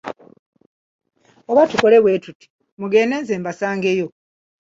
Oba tukole bwe tuti, mugende nze mbasangeyo.